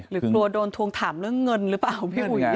กลัวโดนทวงถามเรื่องเงินหรือเปล่าพี่อุ๋ย